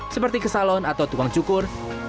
seperti ke salon atau tukang cukur